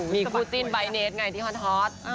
มีคู่จิ้นใบเนสไงที่ฮอนทอด